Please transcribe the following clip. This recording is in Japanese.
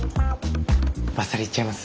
バッサリいっちゃいます？